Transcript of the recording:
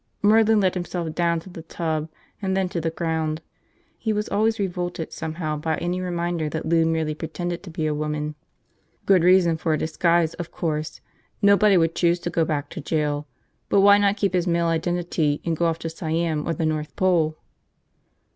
Merlin let himself down to the tub and then to the ground. He was always revolted somehow by any reminder that Lou merely pretended to be a woman. Good reason for a disguise, of course. Nobody would choose to go back to jail. But why not keep his male identity and go off to Siam or the North Pole?